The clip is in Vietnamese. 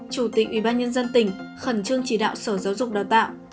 chủ tịch ubnd tỉnh khẩn trương chỉ đạo sở giáo dục đào tạo